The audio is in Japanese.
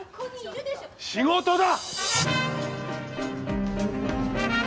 仕事だ！